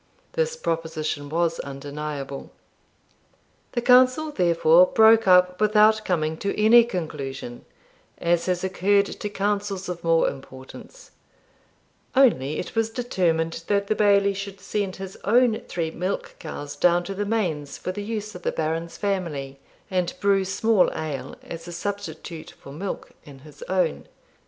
This proposition was undeniable. The council therefore broke up without coming to any conclusion, as has occurred to councils of more importance; only it was determined that the Bailie should send his own three milkcows down to the mains for the use of the Baron's family, and brew small ale, as a substitute for milk, in his own.